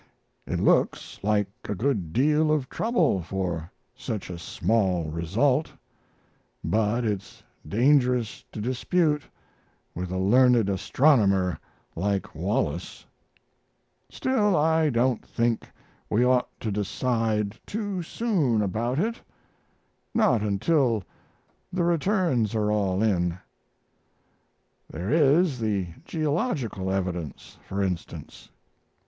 It looks like a good deal of trouble for such a small result; but it's dangerous to dispute with a learned astronomer like Wallace. Still, I don't think we ought to decide too soon about it not until the returns are all in. There is the geological evidence, for instance.